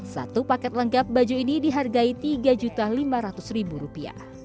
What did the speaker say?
satu paket lengkap baju ini dihargai rp tiga lima ratus